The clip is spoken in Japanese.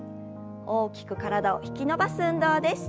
大きく体を引き伸ばす運動です。